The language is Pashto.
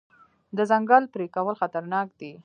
د ځنګل پرې کول خطرناک دي.